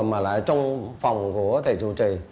mà lại trong phòng của thầy chủ trì